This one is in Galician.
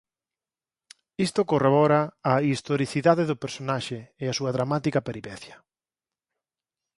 Isto corrobora a historicidade do personaxe e a súa dramática peripecia.